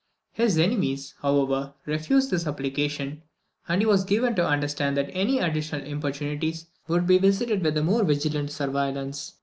His enemies, however, refused this application, and he was given to understand that any additional importunities would be visited with a more vigilant surveillance.